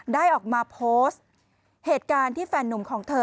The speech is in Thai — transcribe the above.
ได้ออกมาโพสต์เหตุการณ์ที่แฟนนุ่มของเธอ